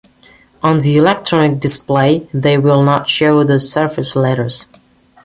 On the Electronic Display, they will not show the service letters.